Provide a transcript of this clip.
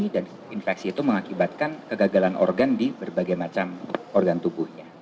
dan infeksi itu mengakibatkan kegagalan organ di berbagai macam organ tubuhnya